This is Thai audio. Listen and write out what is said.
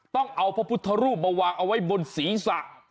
ต้องเอาพระพุทธรูปมาวางเอาไว้บนศีรษะ